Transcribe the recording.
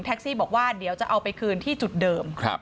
ซี่บอกว่าเดี๋ยวจะเอาไปคืนที่จุดเดิม